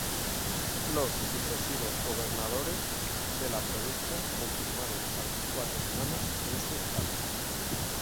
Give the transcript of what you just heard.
Los sucesivos gobernadores de la provincia confirmaron a los cuatro hermanos en sus cargos.